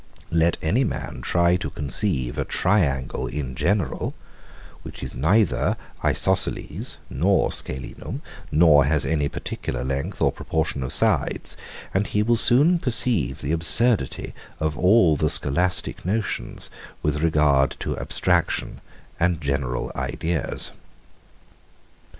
Let any man try to conceive a triangle in general, which is neither Isosceles nor Scalenum, nor has any particular length or proportion of sides; and he will soon perceive the absurdity of all the scholastic notions with regard to abstraction and general ideas.